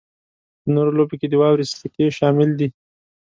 په نورو لوبو کې د واورې سکی شامل دی